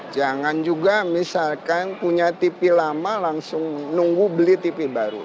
jangan juga misalkan punya tv lama langsung nunggu beli tv baru